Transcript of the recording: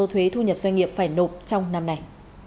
thế doanh nghiệp phải nộp trong năm này